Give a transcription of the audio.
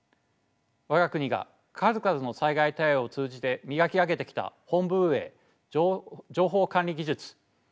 我が国が数々の災害対応を通じて磨き上げてきた本部運営情報管理技術